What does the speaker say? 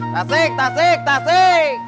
tasik tasik tasik